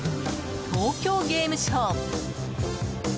「東京ゲームショウ」。